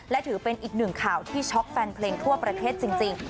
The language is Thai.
และถือเป็นอีกหนึ่งข่าวที่ช็อกแฟนเพลงทั่วประเทศจริง